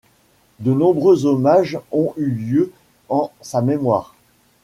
De nombreux hommages ont eu lieu en sa mémoire.